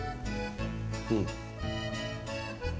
うん？